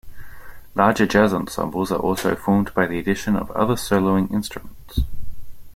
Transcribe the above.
Larger jazz ensembles are also formed by the addition of other soloing instruments.